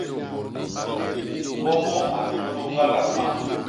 Mbômbô a ntulus ñgandak mañ.